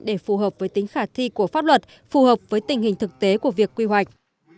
để phù hợp với tính khả thi của pháp luật phù hợp với tình hình thực tế của việc quy hoạch